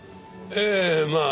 ええまあ